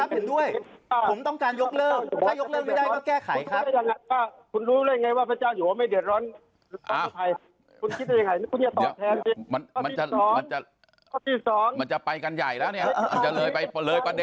เห็นด้วยครับผมต้องการยกเลิกถ้ายกเลิกไม่ได้ก็แก้ไขครับ